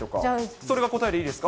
それが答えでいいですか？